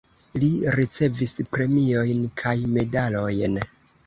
Li ricevis premiojn kaj medalojn.